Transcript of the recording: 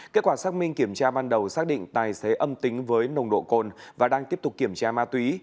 kết quả xác minh kiểm tra ban đầu xác định tài xế âm tính với nồng độ cồn và đang tiếp tục kiểm tra ma túy